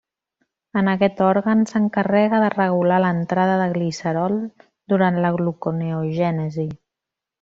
En aquest òrgan s'encarrega de regular l'entrada de glicerol durant la gluconeogènesi.